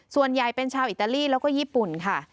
ส่วนใหญ่เป็นชาวอิตาลีแล้วก็ญี่ปุ่นค่ะ